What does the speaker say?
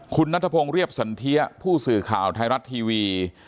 คุณนัทพงศ์เรียบสันเทียผู้สื่อข่าวไทยรัฐทีวี